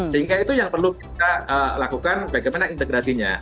sehingga itu yang perlu kita lakukan bagaimana integrasinya